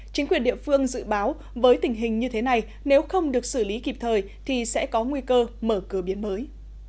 chính quyền địa phương dự báo với tình hình như thế này nếu không được xử lý kịp thời thì sẽ có nguy cơ mở cửa biển mới